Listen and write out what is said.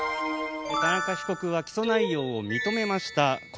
田中被告は起訴内容を認めました。